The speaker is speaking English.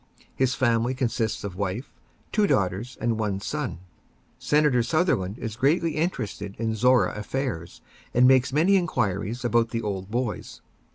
His family consists of wife, two daughters, and one son. Senator Sutherland is greatly interested in Zorra affairs, and makes many inquiries about the old boys.